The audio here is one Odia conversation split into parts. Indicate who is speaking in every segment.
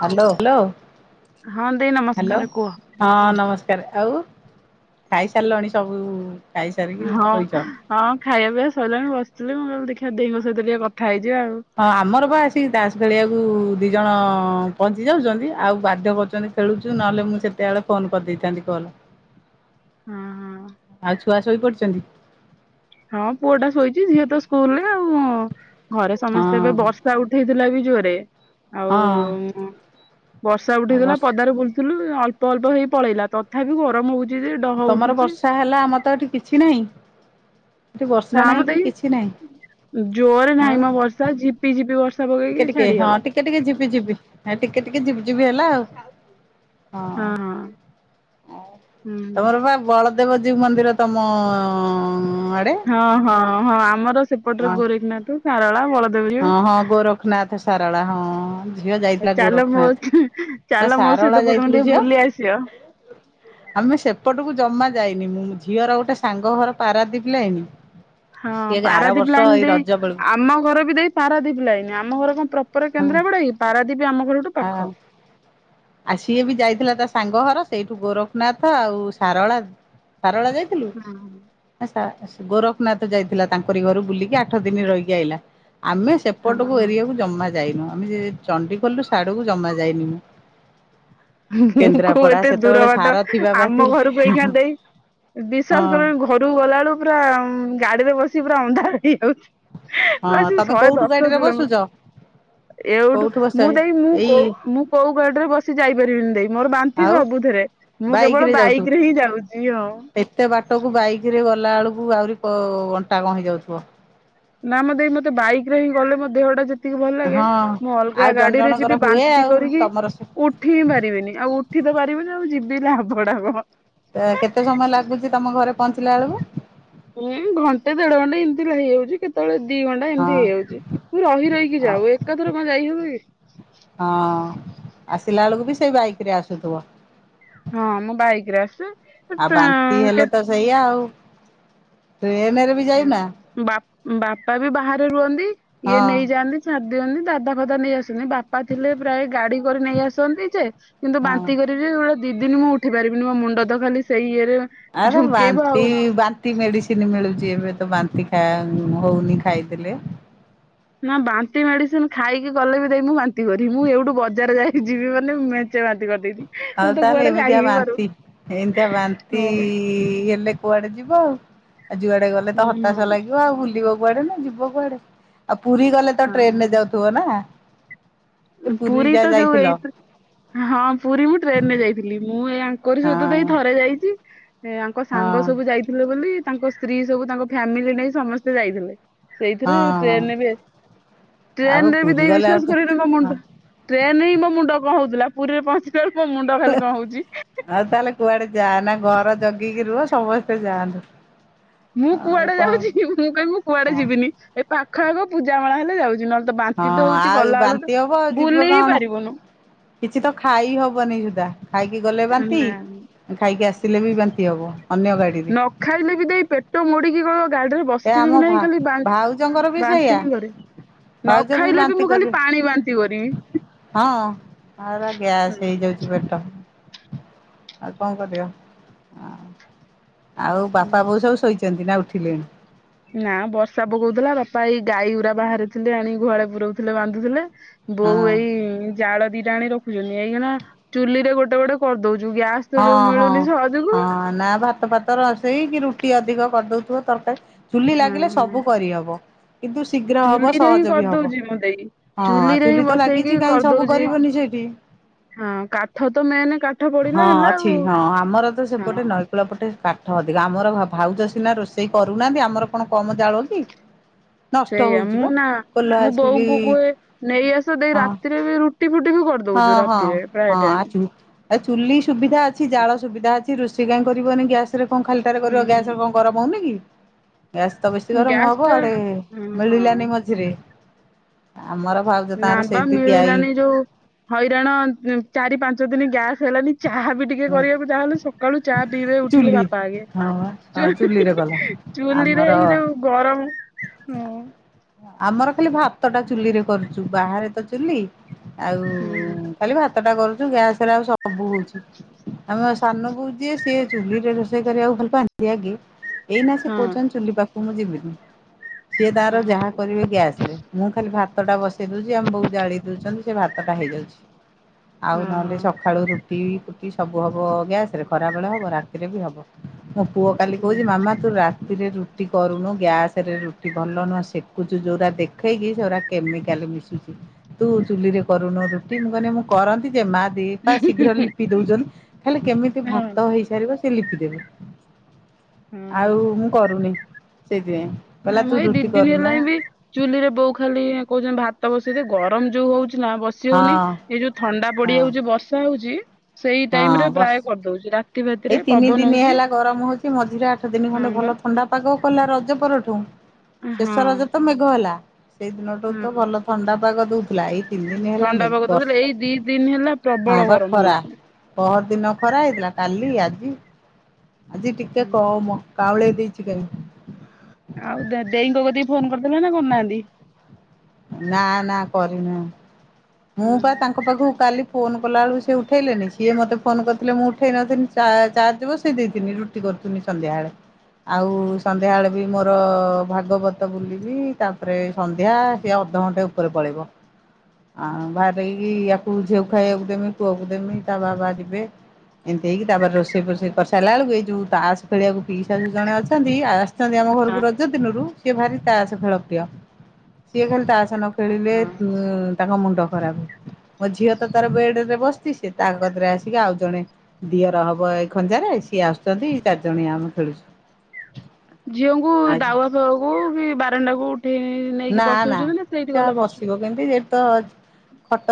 Speaker 1: ହ୍ୟାଲୋ ହ୍ୟାଲୋ
Speaker 2: ହଁ ଦେଇ
Speaker 1: ହ୍ୟାଲୋ
Speaker 2: ନମସ୍କାର କୁହ।
Speaker 1: ହଁ ନମସ୍କାର। ଆଉ ଖାଇସାରିଲାଣି ସବୁ। ଖାଇସାରିକି
Speaker 2: ହଁ
Speaker 1: ଶୋଇଛ
Speaker 2: ହଁ ଖାଇବା ପିଇବା ସରିଲାଣି ବସିଥିଲି ମୁଁ କାିଲଲି ଦେଖିବା ଦହଙ୍କ ସହିତ ଟିକେ କଥା ହେଇଛିି।
Speaker 1: ହଁ ଆମର ବା ଆସିକି ଦାସ ଭେଳିଆକୁ। ତୁ ଦୁଇଜଣ ପହଞ୍ଚି ଯାଉଛନ୍ତି ଆଉ ବାଧ୍ୟ କରୁଛନ୍ତି ଖେଳୁଛୁ ନହେଲେ ମୁଁ ସେତେବେଳେ ଫୋନ୍ କରିଦେବି। ଦେଇଥାନ୍ତି କଲ
Speaker 2: ହଁ
Speaker 1: ଆଉ ଛୁଆ ଶୋଇ ପଡିଛନ୍ତି।
Speaker 2: ହଁ ପୁଅ ଟା ଶୋଇଛି ସିଏ ତ ସ୍କୁଲରେ ଆଉ। ଘରେ
Speaker 1: ହଁ
Speaker 2: ସମସ୍ତେ ଏବେ ବର୍ଷା ଉଠେଇଥିଲା ବି ଜୋରେ। ଆଉ
Speaker 1: ହଁ
Speaker 2: ବର୍ଷା ଉଠେଇଥିଲା
Speaker 1: ବର୍ଷ
Speaker 2: ପଦାରେ ବୁଲୁଥିଲୁ। ଅଳ୍ପ ଅଳ୍ପ ହେଇ ପଳେଇଲା ତଥାପି ଗରମ ହଉଛି। ଯେ ଡହ
Speaker 1: ତମର
Speaker 2: ଉଠୁଛି।
Speaker 1: ବର୍ଷା ହେଲା ଆମ ତ ଏଠି କିଛି ନାହିଁ। ଏଠି ବର୍ଷା
Speaker 2: ନା
Speaker 1: ନାହିଁ କି କିଛି ନାହିଁ
Speaker 2: ଦେଇ ଜୋର
Speaker 1: ଆଉ
Speaker 2: ନାହିଁ ମ ବର୍ଷା ଜିପି ଜିପି ବର୍ଷା।
Speaker 1: ଟିକେ
Speaker 2: ପକେଇକି
Speaker 1: ଟିକେ ହଁ
Speaker 2: ଛାଡିଗଲା।
Speaker 1: ଟିକେ ଟିକେ ଯିପି ଯିପି ଟିକେ ଟିକେ ଯିପି ହେଲା ଆଉ ହଁ
Speaker 2: ହୁଁ।
Speaker 1: ତମର ବା ବଳ ଦେବଜୀବ ମନ୍ଦିର ତମ ଅଁ
Speaker 2: ହଁ ହଁ ହଁ ଆମର ସେପଟରେ ଗୋରଖନାଥ ଶାରଳା ବଳ
Speaker 1: ହଁ ହଁ ଗୋରଖନାଥ ସାରଳା ହଁ ଝିଅ ଯାଇଥିଲା
Speaker 2: ଚାଲ ମୋ
Speaker 1: ଗୋରଖନାଥ
Speaker 2: ଚାଲ
Speaker 1: ସା
Speaker 2: ମୋ ସହିତ କୋଉଦିନ ଟିକେ ବୁଲି ଆସିବା।
Speaker 1: ଆମେ ସେପଟକୁ ଜମା ଯାଇନି ମୁଁ ଝିଅର ଗୋଟେ ସାଙ୍ଗ ଘର ପାରା ଦୀପି ଲାଇନ।
Speaker 2: ହଁ ପାରାଦୀପ ଲାଇନ ଦେଇ
Speaker 1: ବେଳକୁ
Speaker 2: ଆମ ଘର ବି ଦେଇ ପାରାଦୀପ ଲାଗନି ଆମ ଘର କଣ ପ୍ରପର
Speaker 1: ହଁ ହଁ।
Speaker 2: କେନ୍ଦ୍ରାପଡା କି ପାରାଦୀପ ଆମ ଘରଠୁ ପାଖ।
Speaker 1: ଆସିଏ ବି ଯାଇଥିଲା ତା ସାଙ୍ଗ ଘର ସେଇଠୁ ଗୋରଖନାଥ ଆଉ ସାରଳା। ସାରଳା ଯାଇଥିଲୁ।
Speaker 2: ହଁ।
Speaker 1: ଗୋରଖନାଥ ଯାଇଥିଲା ତାଙ୍କରି ଘରୁ ବୁଲିକି ଆଠ ଦିନ ରହିକି ଆଇିଲା। ଆମେ
Speaker 2: ହଁ
Speaker 1: ସେପଟକୁ
Speaker 2: ହଁ
Speaker 1: ଏରଆକୁ ଜମା ଯାଇନୁ ଆମେ ସେ ଚଣ୍ଡ ଖୋଲୁ ସଡ଼କୁ ଜମା ଯାଇନି।
Speaker 2: ମୁଁ କହୁ
Speaker 1: କେନ୍ଦ୍ରାପଡା
Speaker 2: ଏତେ ଦୂର
Speaker 1: ସେତେବେଳେ ସାରଥି
Speaker 2: ବାଟ
Speaker 1: ବାବା
Speaker 2: ଆମ
Speaker 1: ଥିଲେ
Speaker 2: ଘରକୁ ଏଇ ଖା ଦେଇ।
Speaker 1: ହଁ
Speaker 2: ବିଶ୍ଵାସ କରବନି ଘରୁକୁ ଗଲାବେଳୁ ପୁରା ଗାଡିରେ ବସି ପୁରା ଅନ୍ଧାର ହେଇଯାଉଛି।
Speaker 1: ହଁ
Speaker 2: କୁ
Speaker 1: ତମେ
Speaker 2: ଶହେ
Speaker 1: କୋଉଠୁ
Speaker 2: ଦଶ
Speaker 1: ଗାଡିରେ ବସୁଛ
Speaker 2: କିଲୋମିଟର। ଏଉଠୁ
Speaker 1: କୋଉଠୁ ବସ
Speaker 2: ମୁଁ ଦେଇ ମୁଁ କୋଉ
Speaker 1: ଏଇ
Speaker 2: ମୁଁ କୋଉ ଗଡରେ ବସିଯ ଯାଇପାରିବିନି ଦେଇ ମୋର ବାନ୍ତି
Speaker 1: ଆଉ
Speaker 2: ସବୁଥିରେ ମୁଁ
Speaker 1: ବାଇକ
Speaker 2: କେବଳ
Speaker 1: ଯାଉଥିବୁ
Speaker 2: ବାଇକ ରେ ହିଁ ଯାଉଛି ଆଉ।
Speaker 1: ଏତେ ବାଟକୁ ବାଇକ ରେ ଗଲା ବେଳକୁ ଆହୁରି ଅଣ୍ଟା କଣ ହେଇଯାଉଥିବ।
Speaker 2: ନା ମେ ମତେ ବାଇକ ରେ ହିଁ ଗଲେ ମୋ ଦେହଟା ଯେତେ ତିକେ ଭଲ ଲାଗେ
Speaker 1: ହଁ
Speaker 2: ମୁଁ
Speaker 1: ଆଉ
Speaker 2: ଅଲଗା
Speaker 1: ଜଣ
Speaker 2: ଗାଡିରେ
Speaker 1: ଜଣଙ୍କର
Speaker 2: ଯିବି
Speaker 1: ହୁଏ
Speaker 2: ବାନ୍ତି
Speaker 1: ଆଉ
Speaker 2: କରିକି।
Speaker 1: ତମର
Speaker 2: ଉଠି ହିଁ ପାରିବିନି ଆଉ ଉଠି ତ ପାରିବିନି ଆଉ ଯିବି ଲାଭଟା କଣ।
Speaker 1: ତ କେତେ ସମୟ ଲାଗୁଛି ତମ ଘରେ ପହଞ୍ଚିଲା ବେଳକୁ।
Speaker 2: ଉୁଁ ଘଣ୍ଟେ ଦେଢ ଘଣ୍ଟେ ଏମିତି ଲାଗିଯାଉଛି କେତେବେଳେ। ଦି ଘଣ୍ଟା
Speaker 1: ହଁ
Speaker 2: ଏମିତି ହେଇଯାଉଛି ତୁ ରହି ରହିକି
Speaker 1: ଆଉ
Speaker 2: ଯାଉ ଏକାଥର କେ କଣ ଯାଇହବକି।
Speaker 1: ହଁ। ଆସିଲା ବେଳକୁ ବି ସେଇ ବାଇକ ରେ ଆସୁଥିବ।
Speaker 2: ହଁ ମୁଁ ବାଇକ ରେ ଆସେ।
Speaker 1: ଆଉ ବାନ୍ତି
Speaker 2: ଟା
Speaker 1: ହେଲେ ତ ସେଇଆ ଆଉ। ଟ୍ରେନରେ ବି ଯାଇନା
Speaker 2: ବା ବାପା ବି ବାହାରେ ରୁହନ୍ତି ଇଏ
Speaker 1: ହଁ
Speaker 2: ନେଇଯାଆନ୍ତି ଛା ଦିଅନି ଦାଦା ଫାଦା ନେଇ ଆସନ୍ତି ବାପା ଥିଲେ ପ୍ରାୟ ଗାଡି କରି ନେଇ ଆସନ୍ତି ଯେ। କିନ୍ତୁ
Speaker 1: ହଁ।
Speaker 2: ବାନ୍ତି କରିବି ସେଟ ଦି ଦିନ ମୁଁ ଉଠି ପାରିବିନି ମୋ ମୁଣ୍ଡ ତ ଖାଲି ସେଇ ଇଏରେ
Speaker 1: ଆରେ
Speaker 2: ଝୁଙ୍କେଇବ
Speaker 1: ବାନ୍ତି
Speaker 2: ଆଉ
Speaker 1: ବାନ୍ତି ମେଡିସିନ ମିଳୁଛି। ସିଏ ଏବେ ତ ବାନ୍ତି ଖା ହଉନି ଖାଇ ଦେଲେ।
Speaker 2: ନା ବାନ୍ତି ମେଡିସିନ ଖାଇକି ଗଲେ ବି ଦେଇ ମୁଁ ବାନ୍ତି କରିବି ମୁଁ ଏଇଠୁ ବଜାର ଯାଇକି ଯିବି ମାନେ। ବାନ୍ନ୍ତି କରି ଦେବି।
Speaker 1: ଆଉ ତାହଲେ ଏମିତିଆ ବାନ୍ତି ଏମିତିଆ ବାନ୍ତି
Speaker 2: ହଁ।
Speaker 1: ଏଲେ କୁଆଡେ ଯିବ ଆଉ ଆଉ ଯୁଆଡେ ଗଲେ ତ ହତାଶ
Speaker 2: ହୁଁ
Speaker 1: ଲାଗିବ ଆଉ ବୁଲିବ। କୁଆଡେ ନା ଯିବ କୁଆଡେ ଆଉ ପୁରୀ ଗଲେ ତ ଟ୍ରେନ ରେ ଯାଉଥିବ ନା।
Speaker 2: ଅ ପୁରୀ
Speaker 1: ଯା
Speaker 2: ତ ଯୋଉ
Speaker 1: ଯାଇଥିଲ
Speaker 2: ଏଇ ତ ହଁ ପୁରୀ ମୁଁ ଟ୍ରେନରେ ଯାଇଥିଲି ମୁଁ ମୁଁ ଏଇ ଆଙ୍କରି
Speaker 1: ହଁ
Speaker 2: ସହିତ ତ ଏଇ
Speaker 1: ହଁ
Speaker 2: ଥରେ ଯାଇଛି ଏ ଆଙ୍କ ସାଙ୍ଗ ସବୁ
Speaker 1: ହଁ
Speaker 2: ଯାଇଥିଲେ ବୋଲି। ତାଙ୍କ ସ୍ତ୍ରୀ ସବୁ ତାଙ୍କ ଫ୍ୟାମିଲି ନେଇ ସମସ୍ତେ ଯାଇଥିଲେ। ସେଇଥିରେ
Speaker 1: ହଁ।
Speaker 2: ଟ୍ରେନରେ ବି ଏ
Speaker 1: ଆଉ
Speaker 2: ଟ୍ରେନ ରେ ବି
Speaker 1: ପୁରୀ
Speaker 2: ଦେଇ
Speaker 1: ଗଲେ ଆଉ
Speaker 2: ବିଶ୍ଵାସ କରନି ମୋ
Speaker 1: ହଁ
Speaker 2: ମୁଣ୍ଡ ଟ୍ରେନ ହିଁ ମୋ ମୁଣ୍ଡ କଣ ହଉଥିଲା ପୁରୀରେ ପହଞ୍ଚିଲା ବେଳ
Speaker 1: ହେ ଆଉ ତାହେଲେ କୁଆଡେ ଯାନା ଘର ଜ ଜଗିକି ରୁହ ସମସ୍ତେ ଯାଆନ୍ତୁ।
Speaker 2: ମୁଁ
Speaker 1: ଆଉ
Speaker 2: କୁଆଡେ
Speaker 1: କଣ
Speaker 2: ଯାଉଛିି ମୁଁ କହିମି ମୁଁ କୁଆଡେ ଯିବିନି ଏ ପାଖ ଆଖ ପୂଜା ମେଳା ହେଲେ ଯାଉଛି ନ ତ ବାନ୍ତି
Speaker 1: ହଁ
Speaker 2: ତ ହଉଛି
Speaker 1: ଆଉ
Speaker 2: ଗଲା ବେଳୁ
Speaker 1: ବାନ୍ତି
Speaker 2: ତ
Speaker 1: ହବ ଯିବ
Speaker 2: ବୁଲି ହିଁ
Speaker 1: କଣ?
Speaker 2: ପାରିବୁନୁ।
Speaker 1: କିଛି ତ ଖାଇ ହବନି ସୁଧା ଖାଇକି ଗଲେ ବାନ୍ତି
Speaker 2: ନା
Speaker 1: ଖାଇକି ଆସ ସିଲେ ବିି ବାନ୍ତି ହବ। ଅନ୍ୟ ଗାଡିରେ
Speaker 2: ନ ଖାଇଲେ ବି ଦେଇ ପେଟ ମୋଡିକି କଣ ଗାଡିରେ
Speaker 1: ଏ
Speaker 2: ବସିବି
Speaker 1: ଆମ
Speaker 2: କି ନାଇଁ
Speaker 1: ଭା
Speaker 2: ଖାଲି ବାନ
Speaker 1: ଭାଉଜଙ୍କର ବି ସେଇଆ।
Speaker 2: ବାନ୍ତି ହିଁ କରିବି। ନ
Speaker 1: ଭାଉଜ
Speaker 2: ଖାଇଲେ ବି
Speaker 1: ବାନ୍ତି
Speaker 2: ମୁଁ ଖାଲି
Speaker 1: କରିବେ
Speaker 2: ପାଣି ବାନ୍ତି କରିବି।
Speaker 1: ହଁ ଆରା ଗ୍ୟାସ ହେଇଯାଉଛି ପେଟ। ଆଉ କଁ କରିବ ହଁ। ଆଉ ବାପା ବୋଉ
Speaker 2: ହୁଁ।
Speaker 1: ସବୁ ଶୋଇଛନ୍ତି ନା ଉଠିଲେଣି?
Speaker 2: ନା ବର୍ଷା ପକଉଥିଲା ବାପା ଏଇ ଗାଈଗୁରା ବାହାରେ ଥିଲେ ଆଣିିକି ଗୁହାଳେ ପୁରଉଥିଲେ ବାନ୍ଧୁଥିଲେ ବୋଉ
Speaker 1: ହଁ।
Speaker 2: ଏଇ ଜାଳ ଦି ଆଣି ରଖୁଛନ୍ତି ଏଇଖିନା ଚୁଲିରେ ଗୋଟେ ଗୋଟେ କରିଦଉ
Speaker 1: ହଁ ହଁ ହଁ ନା ଭାତ ଫାତ ରୋଷେଇ କି ରୁଟି ଅଧିକ କରିଦଉଥିବ ତରକାରୀ ଚୁଲି
Speaker 2: ହଁ।
Speaker 1: ଲାଗିଲେ ସବୁ କରିହବ। କିନ୍ତୁ ଶୀଘ୍ର ହବ
Speaker 2: ଚୁଲିରେ ହିଁ
Speaker 1: ସହଜ ବି ହବ
Speaker 2: କରିଦଉଛି ମୁଁ ଦେଇ
Speaker 1: ହଁ
Speaker 2: ଚୁଲିରେ ହିଁ
Speaker 1: ଚୁଲି ତ ଲାଗିଛି
Speaker 2: ବସେଇକି
Speaker 1: କାହିଁ ସବୁ
Speaker 2: କରିଦଉଛି।
Speaker 1: କରିବନି ସେଇଠି।
Speaker 2: ହଁ କାଠ ତ ମେନ କାଠ ପୋଡ଼ି
Speaker 1: ହଁ ଅଛି ହଁ ଆମର ତ ସେପଟେ ନଈକୂଳା ପ ଟେ କାଠ ଅଧିକା ଆମର ଭା-ଭାଉଜ ସିନା ରୋଷେଇ କରୁନାହାନ୍ତି ଆମର କଣ କମ ଜାଳ କି। ନଷ୍ଟ
Speaker 2: ସେଇଆ
Speaker 1: ହଉଛି
Speaker 2: ମୁଁ
Speaker 1: ବା।
Speaker 2: ନା
Speaker 1: କୋଲା
Speaker 2: ମୁଁ
Speaker 1: ଆସିକି
Speaker 2: ବୋଉଙ୍କୁ କୁହେ ନେଇ ଆସ ଦେଇ
Speaker 1: ହଁ
Speaker 2: ରାତିରେ ବି ରୁଟି ଫୁଟି ବି କ
Speaker 1: ହଁ ହଁ ହଁ ଆ ଚୁ ଏ ଚୁ ଚୁଲି ସୁବିଧା ଅଛି ଜାଳ ସୁବିଧା ଅଛି ରୋଷେଇ କାଇଁ କରିବନି ଗ୍ୟାସ ରେ କଣ ଖାଲି ଟାରେ କରିବ
Speaker 2: ହୁଁ
Speaker 1: ଗ୍ୟାସରେ କଣ ଗରମ ହଉନି କି। ଗ୍ୟାସ୍ ତ ବେଶୀ ଗରମ
Speaker 2: ଗ୍ୟାସ୍
Speaker 1: ହବ
Speaker 2: ଟା
Speaker 1: ଆଡେ
Speaker 2: ଉଁ ହଁ
Speaker 1: ମିଳିଲାନି ମଝିରେ। ଆମର ଭାଉଜ
Speaker 2: ନା
Speaker 1: ତାଙ୍କର
Speaker 2: ବା
Speaker 1: ସେଇଠି ଗ୍ୟାଇ
Speaker 2: ମିଳିଲାନି ଯୋଉ ହଇରାଣ ଉଁ ଚାରି ପାଞ୍ଚ ଦିନ ଗ୍ୟାସ୍। ହେଲାନି ଚାହା ବି ଟିକେ କରିବାକୁ ଯାହା ହେଲେ ସକାଳୁ ଚାହା ପିଇବେ ଉଠିଲେ
Speaker 1: ଚୁଲି
Speaker 2: ବାପା ଆଗେ।
Speaker 1: ହଁ ବା
Speaker 2: ଚୁ
Speaker 1: ହଁ
Speaker 2: ହୁଁ ହୁଁ ହୁଁ
Speaker 1: ଚୁଲିରେ କଲ
Speaker 2: ହୁଁ ଚୁଲିରେ
Speaker 1: ଆମର
Speaker 2: ହେଇକି ଯୋଉ ଗରମ ହୁଁ।
Speaker 1: ଆମର ଖାଲି ଭାତ ଟା ଚୁଲିରେ କରୁଛୁ ବାହାରେ ତ ଚୁଲି। ଆଉ
Speaker 2: ହୁଁ
Speaker 1: ଖାଲି ଭାତ ଟା କରୁଛୁ ଗ୍ୟାସ ରେ ଆଉ ସବୁ ହଉଛି ଆମ ସାନ ବୋହୂ ଯିଏ ସେ ଚୁଲି ରେ ରୋଷେଇ କରିବାକୁ ଭଲ ପାଆନ୍ତି ଆଗେ ଏଇନା ସେ
Speaker 2: ହଁ
Speaker 1: କହୁଛନ୍ତି ଚୁଲି ପାଖ କୁ ମୁଁ ଯିବିନି ସିଏ ତାର
Speaker 2: ହଁ
Speaker 1: ଯାହା କରିବେ ଗ୍ୟାସ ରେ ମୁଁ ଖାଲି ଭା ତଟା ବସେଇ ଦଉଛି ଆମେ ବୋଉ ଜାଳି ଦଉଛନ୍ତି ସେ ଭାତଟା ହେଇଯାଉଛି ଆଉ
Speaker 2: ହଁ ହଁ
Speaker 1: ନହେଲେ ସକା ରୁଟି ଫୁଟି ସବୁ ହବ ଗ୍ୟାସରେ ଖରାବେଳେ ହବ ରାତିରେ ବି ହବ। ମୋ ପୁଅ କାଲି କହୁଛି
Speaker 2: ହୁଁ।
Speaker 1: ମାମା ତୁ ରା ରେ ରୁଟି କରୁନୁ ଗ୍ୟାସ ରେ ରୁଟି ଭଲ ନୁହ ସେକୁଛୁ ଯୋଉରା ଦେଖେଇକି ସେଗୁରା କେମିକାଲ ମିଶୁଚି ତୁ ଚୁଲିରେ କରୁନୁ ରୁଟି ମୁଁ କହିଲି ମୁଁ କରନ୍ତି ଯେ ମା ଦି ପା ଶୀଘ୍ର ଲିପି ଦଉଛନ୍ତି ଖାଲି କେମିତି
Speaker 2: ହଁ
Speaker 1: ଭାତ ହେଇସାରିବ ସେ ଲିପି ଦେବେ।
Speaker 2: ହଁ
Speaker 1: ଆଉ ମୁଁ କରୁନି ସେ
Speaker 2: ନା ମୁଁ ଏଇ ଦି ଦିନ ହେଲାଣି ହିଁ ବି ଚୁଲି ରେ ବୋଉ ଖାଲି କହୁଛନ୍ତି ଭାତ ବସେଇଦେ ଗରମ ଯୋଉ ହଉଛି। ନା ବସି
Speaker 1: ହଁ
Speaker 2: ହଉନି ଏଇ ଯୋଉ ଥଣ୍ଡା
Speaker 1: ହଁ
Speaker 2: ପଡିଯାଉଛି ବର୍ଷା ହଉଛି। ସେଇ
Speaker 1: ହଁ
Speaker 2: ଟାଇମ ରେ
Speaker 1: ବସ୍
Speaker 2: ପ୍ରାୟ କରିଦଉଛି ରା
Speaker 1: ଏଇ ତିନି ଦିନି ହେଲା ଗରମ ହଉଛି ମଝିରେ ଆଠ ଦିନ
Speaker 2: ହଁ
Speaker 1: ଖଣ୍ଡେ
Speaker 2: ବା
Speaker 1: ଭଲ ଥଣ୍ଡା ପାଗ କଲା ର ପରଠୁ
Speaker 2: ହଁ
Speaker 1: ଶେଷ ରଜ ତ ମେଘ ହେଲା ସେଇ ଦିନଠୁ
Speaker 2: ହଁ
Speaker 1: ତ ଭଲ ଥଣ୍ଡା ପାଗ ଦଉଥିଲା ଏଇ ତିନି ଦିନ ହେଲା
Speaker 2: ଥଣ୍ଡା
Speaker 1: ମେ
Speaker 2: ପାଗ ଦଉଥିଲା
Speaker 1: ବର୍ଷା
Speaker 2: ଏଇ ଦି ଦିନ ହେଲା
Speaker 1: ହଁ
Speaker 2: ପ୍ରବଳ
Speaker 1: ପା
Speaker 2: ଗରମ
Speaker 1: ଖରା
Speaker 2: ହଉଛି
Speaker 1: ପହ ଦିନ ଖରା ହେଇଥିଲା କାଲି ଆଜି ଆଜି ଟିକେ
Speaker 2: ହୁଁ
Speaker 1: କମ୍ କାଉଁଳେଇ ଦେଇ ଚିକେନ୍
Speaker 2: ଆଉ ଦେ-ଦେଇଙ୍କ କତିିକି ଫୋନ କରିଦେଲେ ନା କରି ନାହାନ୍ତି।
Speaker 1: ନା ନା କରିନୁ ମୁଁ ବା
Speaker 2: ହୁଁ।
Speaker 1: ତାଙ୍କ ପାଖକୁ କାଲି ଫୋନ କଲାବବେଳକୁ ସେ ଉଠେଇ ଲେନି ସିଏ ମୋତେ ଫୋନ କରିଥିଲେ ମୁଁ ଉଠେଇ ନଥିଲି ଚା-ଚାର୍ଜ ବସେଇ ଦେଇଥିଲି ରୁଟି କର ଆସୁନି ସନ୍ଧ୍ୟାବେଳେ ଆଉ ସନ୍ଧ୍ୟାବେଳେ ବି ମୋର ଭାଗବତ ବୁଲିବି ତାପରେ ସନ୍ଧ୍ୟା ସେ ଅ ଅଧଘଣ୍ଟେ ଉପରେ ପଳେଇବ। ଆଉ ବାହାଦେଇକି ୟାକୁ ଝିଅ ଖାଇବାକୁ ଦେମି ପୁଅକୁ ଦେମି ତା ବାବା ଯିବେ। ଏମିତି ହେଇକି ତାପରେ ରୋଷେଇ ଫୋଷେଇ କରିସାରଲା ବେଳକୁ ଏଇ ଯଉ ତାସ ଖେଳଆକୁ ପିଶାଶୁ ଜଣେ ଅଛନ୍ତି ଆ ଆସିଚନ୍ତି ଆମ ଘରକୁ ରଜ ଦିନରୁ ସିଏ ଭାରି ତାସ ଖେଳ ପ୍ରିୟ ସିଏ ଖାଲି ତାସ ନ ଖେଳିଲେ ଉଁ ତାଙ୍କ ମୁଣ୍ଡ ଖରାପ ହୁ ମୋ ଝିଅ ତ ତାର ବେଡରେ ବସିଛି ସେ ତା କତିରେ ଆସିକି ଆଉ ଜଣେ ଦିଅର ହବ ଏଇ ଖଞ୍ଜାରେ ସିଏ ଆସୁଛନ୍ତି ଚାରି ଜଣିଆ ଆମେ ଖେଳୁଛୁ।
Speaker 2: ଝିଅଙ୍କୁ ଦାଉଆ ଫେକୁ କି ବାରଣ୍ଡାକୁ ଉଠେଇ ନେଇକି
Speaker 1: ନା ନା
Speaker 2: ବସଉଛନ୍ତି ସେଇଠି
Speaker 1: ସେ ଆଉ
Speaker 2: ଗଲା ବସୁଛନ୍ତି?
Speaker 1: ବସିବ କେମତି ତ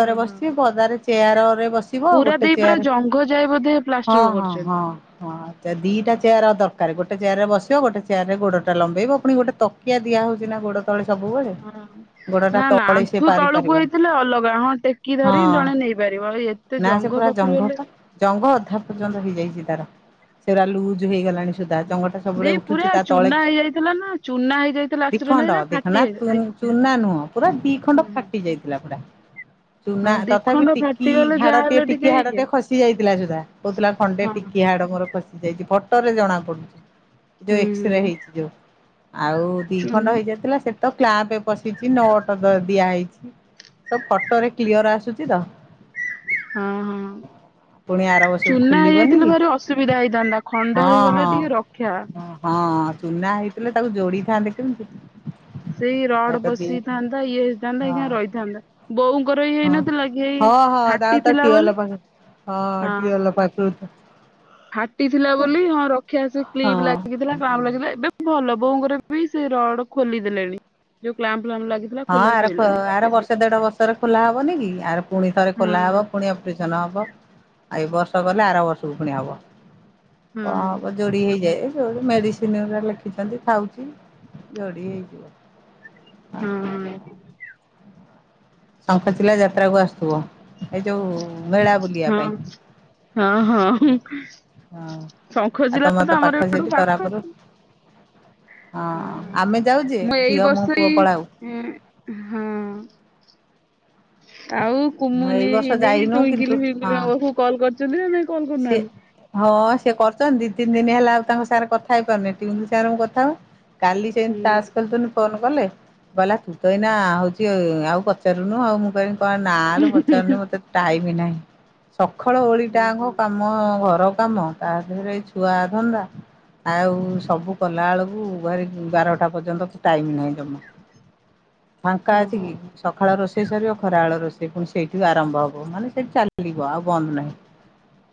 Speaker 2: ହଁ ହଁ
Speaker 1: ବସିଛି ପଦାରେ ଚେୟାରରେ ବସିବ
Speaker 2: ପୁରା
Speaker 1: ଗୋଟେ
Speaker 2: ଦେଇ ପୁରା
Speaker 1: ଚେୟାର
Speaker 2: ଜଙ୍ଘ ଯାଏ ବୋଧେ ପ୍ଲାଷ୍ଟର
Speaker 1: ହଁ ହଁ
Speaker 2: କରୁଛନ୍ତି।
Speaker 1: ହଁ ହଁ ଦିଟା
Speaker 2: ହୁଁ
Speaker 1: ଚେୟାର ଆଉ ଦରକାର ଗୋଟେ ଗୋଟେ ଚେୟାରରେ ବସିବ ଗୋଟେ ଚେୟାରରେ ଗୋଡ଼ଟା ଲମ୍ବେଇବ ପୁଣି ଗଟେ ତକିଆ ଦିଆ ହଉଛି ନା ଗୋ ସବୁବେଳେ
Speaker 2: ହଁ
Speaker 1: ଗୋଡଟା
Speaker 2: ନା ନା
Speaker 1: ତଳେ ସିଏ
Speaker 2: ଆଣ୍ଠୁ ତଳୁକୁ
Speaker 1: ପାରିପାରିବନି
Speaker 2: ହେଇଥିଲେ ଅଲଗା ହଁ ଟେକି
Speaker 1: ହଁ।
Speaker 2: ଧରି ଜଣେ ନେଇପାରିବ ଆଉ ଏତେ
Speaker 1: ନା ସେ
Speaker 2: ଜଙ୍ଘ
Speaker 1: ପୁରା
Speaker 2: ପାଖରୁ ହେଲେ
Speaker 1: ଜଙ୍ଘପା ଜଙ୍ଘ ଅଧା
Speaker 2: ହୁଁ।
Speaker 1: ପର୍ଯ୍ୟନ୍ତ ହେଇଯାଇଛି ତାର। ସେରା ଲୁଜ ହେଇଗଲାଣି ସୁ ତା ଜଙ୍ଗଟା ସବୁବେଳେ
Speaker 2: ଦେଇ
Speaker 1: ଉଠୁଛି
Speaker 2: ପୁରା
Speaker 1: ତା ତଳେ
Speaker 2: ଚୂନା ହେଇଯାଇଥିଲା ନା ଚୂନା ହେଇଯାଇଥିଲା ଆକ୍ସିଡେଣ୍ଟ
Speaker 1: ଦିଖଣ୍ଡ
Speaker 2: ହେଇଥିଲା
Speaker 1: ଦି
Speaker 2: ଫାଟି
Speaker 1: ନାଁ
Speaker 2: ଯାଇ
Speaker 1: ଚୁ-ଚୁନା ନୁହଁ ପୁରା ଦି ଖଣ୍ଡ ଫାଟି ଯାଇଥିଲା ପୁରା। ଚୁନା
Speaker 2: ହଁ ଦି
Speaker 1: ତଥାପି
Speaker 2: ଖଣ୍ଡ
Speaker 1: ଟିକି
Speaker 2: ଫାଟିଗଲେ
Speaker 1: ହାଡଟିଏ
Speaker 2: ଯାହାହେଲେ
Speaker 1: ଟିକି
Speaker 2: ଟିକେ ଇଏ
Speaker 1: ହାଡଟେ ଖସି ଯାଇଥିଲା ସୁଧା କହୁଥିଲା ଖଣ୍ଡେ
Speaker 2: ହଁ
Speaker 1: ଟିକିଏ
Speaker 2: ହୁଁ
Speaker 1: ହାଡ ମୋର ଖସି ଯାଇଛି ଫଟୋରେ ଜଣା ପଡୁଛି ଯୋଉ
Speaker 2: ହୁଁ
Speaker 1: ଏକ୍ସରେ ହେଇଛି ଯୋଉ। ଆଉ ଦି
Speaker 2: ଚୁ
Speaker 1: ଖଣ୍ଡ ହେଇଯାଇଥିଲା ସେ ତ କ୍ଲାପ ପଶିଛି ନଟ ଦ ଦିଆହଇଛି ସବୁ ଫଟୋରେ କ୍ଲିୟର ଆସୁଛି ତ।
Speaker 2: ହଁ
Speaker 1: ପୁଣି
Speaker 2: ହଁ।
Speaker 1: ଆର ବର୍ଷକୁ
Speaker 2: ଚୁନା ହେଇ
Speaker 1: ଖୋଲିବନି
Speaker 2: ଯାଇଥିଲେ
Speaker 1: କି
Speaker 2: ଭାରି ଅସୁବିଧା ହେଇଥାନ୍ତା ଖଣ୍ଡ
Speaker 1: ହଁ
Speaker 2: ହେଇଗଲା
Speaker 1: ହଁ।
Speaker 2: ଟିକେ ରକ୍ଷା।
Speaker 1: ହଁ ଚୁନା ହେଇଥିଲେ ତାକୁ ଯୋଡିଥାନ୍ତେ କେମତି?
Speaker 2: ସେଇ ରଡ ବସିଥାନ୍ତା ଇଏ ହେଇଥାନ୍ତା
Speaker 1: ହଁ
Speaker 2: ଏଇନା ରହିଥାନ୍ତା ବୋଉଙ୍କର ହେଇ
Speaker 1: ହଁ
Speaker 2: ହେଇନଥିଲା କି ହେଇ
Speaker 1: ହଁ ହଁ ତାଙ୍କତ ଟିଅଲ ପାଖରେ ହଁ ଟିଅଲ ପାଖୁରୁ ତ
Speaker 2: ଫାଟିଥିଲା ବୋଲି ହଁ ରକ୍ଷା ସେ
Speaker 1: ହଁ
Speaker 2: କ୍ଲିପ ଲାଗିଥିଲା ବାମ ଲାଗିଲା ଏବେ ଭଲ। ବୋଉଙ୍କର ବି ସେଇ ରଡ ଖୋଲିଦେଲେଣି ଯୋଉ କ୍ଲାମ୍ପ ଫ୍ଲାମ୍ପ ଲାଗିଥିଲା
Speaker 1: ହଁ
Speaker 2: ଖୋଲା
Speaker 1: ଆର ପ
Speaker 2: ସଇଲାଣି
Speaker 1: ଆର
Speaker 2: କେବେ
Speaker 1: ବର୍ଷେ ଦେଢ ବର୍ଷରେ ଖୋଲା ହବନି କି। ଆର ପୁଣି ଥରେ ଖୋଲା
Speaker 2: ହଁ
Speaker 1: ହବ। ପୁଣି ଅପରେସନ ହବ। ଏ ବର୍ଷ ଗଲେ ଆର ବର୍ଷକୁ ପୁଣି ହବ।
Speaker 2: ହଁ
Speaker 1: କଅଁ ହବ ଯୋଡି ହେଇଯାଏ। ଯୋଉ ମେଡ଼ିସିନ ଉରା ଲେଖିଛନ୍ତି ଖାଉଛି, ଯୋଡ଼ି ହେଇଯିବ।
Speaker 2: ହଁ ଅଁ।
Speaker 1: ଶଙ୍ଖଚିଲା ଯାତ୍ରା କୁ ଆସୁଥିବ। ଏଇ ଯୋଉ ମେଳା ବୁଲିବା
Speaker 2: ହଁ
Speaker 1: ପାଇଁ।
Speaker 2: ହଁ ହଁ ହୁଁ
Speaker 1: ହଁ ଆଉ
Speaker 2: ଶଙ୍ଖଚିଲା
Speaker 1: ତମର
Speaker 2: ତ
Speaker 1: ପାଖ
Speaker 2: ଆମର ଏଡୁ
Speaker 1: ସେଠି
Speaker 2: ପାଖ।
Speaker 1: ତରାପୁର
Speaker 2: ହଁ
Speaker 1: ଆମେ ଯାଉ ଯେ
Speaker 2: ମୁଁ ଏଇ
Speaker 1: ଝିଅ
Speaker 2: ବର୍ଷ
Speaker 1: ପୁଅ
Speaker 2: ଇ
Speaker 1: ପଳାଉ।
Speaker 2: ଏଁ ହଁ। ଆଉ କୁମୁନି
Speaker 1: ଏଇ ବର୍ଷ
Speaker 2: ଦେଇ
Speaker 1: ଯାଇନୁ କିନ୍ତୁ
Speaker 2: ତୁଇଁକିଲି ଫୁଇଁକିଲି
Speaker 1: ହଁ
Speaker 2: ପାଖକୁ କଲ୍ କରିଚନ୍ତି ନା ନାଇ କଲ୍
Speaker 1: ସିଏ
Speaker 2: କରୁନାଆନ୍ତି?
Speaker 1: ହଁ ସେ କରୁଚନ୍ତି ଦି ତିନି ଦିନ ହେଲା ଆଉ ତାଙ୍କ ସାର କଥା ହେଇପାରୁନି ଟିଉନ ସାଙ୍ଗରେ ମୁଁ କଥାହୁଏ, କାଲି ସେମତି
Speaker 2: ହୁଁ।
Speaker 1: ତାସ ଖେଳୁଥୁନୁ ଫୋନ କ କଲେ, କଇଲା ତୁ ଏଇନା ହଉଚି ଆଉ ପଚାରୁନୁ ଆଉ ମୁଁ କହି କଏ ନାଁଲୋ ପଚାରୁନି ମତେ ଟାଇମ ନାହିଁ। ସଖାଳ ଓଳିଟାଙ୍କ
Speaker 2: ଓହୋ
Speaker 1: କାମ ଘର କାମ, ତାସାଙ୍ଗରେ ଏଇ ଛୁଆ ଧନ୍ଦା ଆଉ ସବୁ କଲା ଅଳୁକୁ ଭାରି ବାରଟା ପର୍ଯ୍ୟନ୍ତ ଟାଇମ ନାହିଁ ଜମା। ଫାଙ୍କା ଆଛିକି ସକାଳ ରୋଷେଇ ସରିବ ଖରାବେଳ ରୋଷେଇ ପୁଣି ସେଇଠୁ ଆରମ୍ଭ ହବ। ମାନେ ସେଇଠୁ ଚାଲିବ ଆଉ ବନ୍ଦ ନାହିଁ।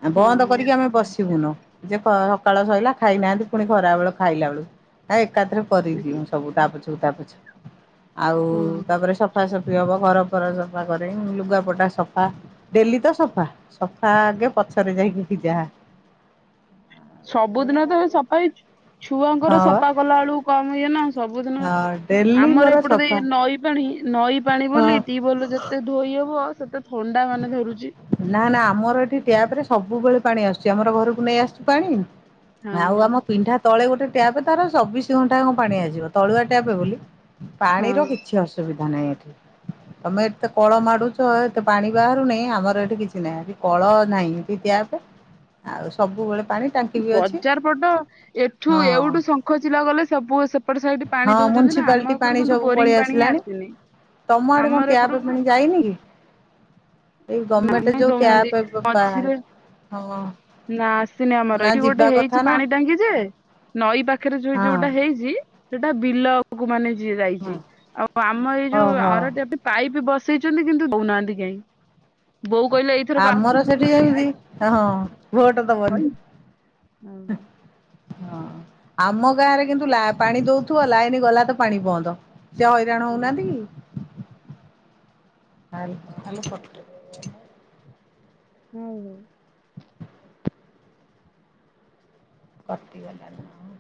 Speaker 1: ଆ
Speaker 2: ହଁ
Speaker 1: ବନ୍ଦ
Speaker 2: ହଁ
Speaker 1: କରିକି ଆମେ ବସିବୁନୁ। ଯେ ପ ସକାଳ ସଇଲା ଖାଇନାହାନ୍ତି ପୁଣି ଖରାବେଳ ଖାଇଲା ବେଳୁ ହେକ ଏକାଥରେ କରିଦିଉଁ ସବୁ ତାପଛକୁ ତାପଛ। ଆଉ
Speaker 2: ହଁ ହଁ।
Speaker 1: ତାପରେ ସଫାସଫି ହବ ଘର ଘର ସଫା କରେ, ଲୁଗାପଟା ସଫା, ଡେଲି ତ ସଫା ସଫା ଆଗେ ପଛରେ ଯାଇକି ଯାହା।
Speaker 2: ସବୁଦିନ ତ ଏ ସକଇ ଛୁଆଙ୍କର
Speaker 1: ହଁ
Speaker 2: ସଫା କଲା ଓଳୁକୁ କମ ଇଏ ନା। ସବ ପୁଦିନ
Speaker 1: ହଁ ଡେଲି
Speaker 2: ଆମର
Speaker 1: ମୋର
Speaker 2: ଏପଟେ
Speaker 1: ସଫା
Speaker 2: ଦେଇ ନଈ ପାଣି ନଈ ପାଣି ବୋଲି
Speaker 1: ହଁ।
Speaker 2: ଟିବଲ ଯେତେ ଧୋଇ ହବ ସେତେ ଥଣ୍ଡା ମାନେ ଧରୁ
Speaker 1: ନା ନା ଆମର ଏଠି ଟ୍ୟାପ ରେ ସବୁବେଳେ ପାଣି ଆସୁଚି। ଆମର ଘରକୁ ନେଇ ଆସୁଚୁ ପାଣି।
Speaker 2: ହଁ।
Speaker 1: ଆଉ ଆମ ପିଣ୍ଢା ତଳେ ଗୋଟେ ଟ୍ୟାପ ତାର ଚବିଶ ଘଣ୍ଟା କଣ ପାଣି ଆସିବ। ତଳୁଆ ଟ୍ୟାପ ବୋଲି
Speaker 2: ହଁ
Speaker 1: ପାଣିର କିଛି ଅସୁବି ଧାନାଇଁ ଏଠି। ତମେ ଏତେ କଳ ମାଡୁଚ ଏତେ ପାଣି ବାହାରୁନେଇଁ ଆମର ତ ଏଠି କିଛି ନାଇଁ ହେଠି କଳ ନାହିଁ ହେଠି ଟ୍ୟାପେ। ଆଉ ସବୁବେଳେ ପାଣି ଟାଙ୍କି ବି ଅଛି
Speaker 2: ବଜାର ପଟ ଏଠୁ
Speaker 1: ହଁ।
Speaker 2: ଏଉଠୁ ଶଙ୍ଖଚିଲା ଗଲେ ସବୁ ସେପଟ ସାଇଟ ପାଣି
Speaker 1: ହଁ
Speaker 2: ଦୋ ଉଚନ୍ତି ନାଁ।
Speaker 1: ମ୍ୟୁନିସିପାଲିଟି
Speaker 2: ଆମ
Speaker 1: ପାଣି
Speaker 2: ଏପଟୁ କିନ୍ତୁ
Speaker 1: ସବୁ ପଳେଇ
Speaker 2: ବୋରିଙ୍ଗ ପାଣି ହିଁ
Speaker 1: ଆସିଲାଣି
Speaker 2: ଆସିନି।
Speaker 1: ତମ ଆଡେ କଣ
Speaker 2: ଆମର ଏପଟୁ
Speaker 1: ଟ୍ୟାପ ପାଣି ଯାଇନି କି? ଏଇ
Speaker 2: ନା
Speaker 1: ଗଭର୍ଣ୍ଣମେଣ୍ଟ
Speaker 2: କାଇଁ
Speaker 1: ଯୋଉ
Speaker 2: ଦୋଉନାଆନ୍ତି।
Speaker 1: ଟ୍ୟାପ
Speaker 2: ମଝିରେ
Speaker 1: ପା- ହଁ
Speaker 2: ନା ଆସିନି ଆମର।
Speaker 1: ନା
Speaker 2: ଏଇଠି ଗୋଟେ
Speaker 1: ଯିବା କଥା
Speaker 2: ହେଇଚି
Speaker 1: ନା
Speaker 2: ପାଣି ଟାଙ୍କି ଯେ ନଈ ପାଖରେ ଝୋଇ
Speaker 1: ହଁ
Speaker 2: ଯୋଉଟା ହେଇଚି ସେଟା ବିଲକୁ ମାନେ ଯିଏ
Speaker 1: ହଁ
Speaker 2: ଯାଇଚି। ଆଉ ଆମ ଏଇ ଯୋଉ
Speaker 1: ଓହୋ।
Speaker 2: ଆର ଟ୍ୟାପ ପାଇପ ବସ ସେଇଚନ୍ତି କିନ୍ତୁ ଦୋଉନାହାନ୍ତି କେହିଁ। ବୋଉ କଇଲେ ଏଇଥରକ
Speaker 1: ଆମର
Speaker 2: ଆସନ୍ତୁ
Speaker 1: ସେଠି ଯେମିତି
Speaker 2: ଭାଇ
Speaker 1: ହଁ ଭୋଟ
Speaker 2: [unintelligible]
Speaker 1: ଦବନି।
Speaker 2: କହିବି। ଆଉ
Speaker 1: ହଁ ଆମ ଗାଁରେ କିନ୍ତୁ ଲା ପାଣି ଦୋଉଥିବ ଲାଇନ ଗଲା ତ ପାଣି ବନ୍ଦ। ସେ ହଇରାଣ ହୋଉନାହାନ୍ତିକି। ଆଲ ଆଲୋ ଫଟୋ
Speaker 2: ହୁଁ।
Speaker 1: କଟିଗଲା କଣ